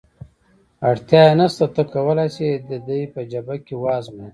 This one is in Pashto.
اړتیا یې نشته، ته کولای شې دی په جبهه کې وآزموېې.